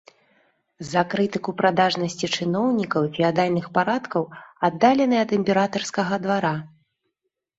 За крытыку прадажнасці чыноўнікаў і феадальных парадкаў аддалены ад імператарскага двара.